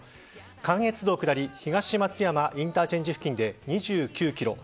関越道下り東松山インターチェンジ付近で２９キロ